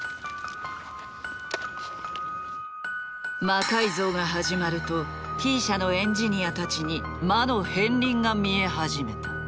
魔改造が始まるとＴ社のエンジニアたちに魔の片りんが見え始めた。